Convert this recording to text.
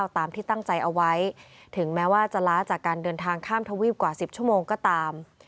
ตามที่ตั้งใจเอาไว้ถึงแม้ว่าจะล้าจากการเดินทางข้ามทวีปกว่า๑๐ชั่วโมงก็ตาม